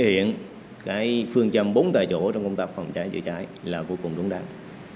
hiện cái phương châm bốn tại chỗ trong công tác phòng cháy chữa cháy là vô cùng đúng đắn